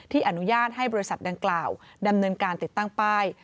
อนุญาตให้บริษัทดังกล่าวดำเนินการติดตั้งป้าย